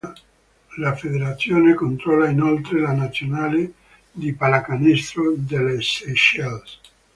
La federazione controlla inoltre la nazionale di pallacanestro delle Seychelles.